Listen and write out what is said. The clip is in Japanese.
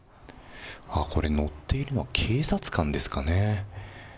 あっ、これ、乗っているのは警察官ですかね。